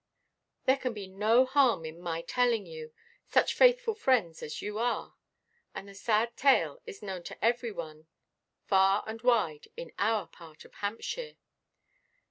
"There can be no harm in my telling you, such faithful friends as you are. And the sad tale is known to every one, far and wide, in our part of Hampshire."